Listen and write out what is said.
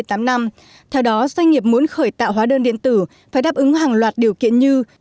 theo đó doanh nghiệp muốn khởi tạo hóa đơn điện tử phải đáp ứng hàng loạt điều kiện như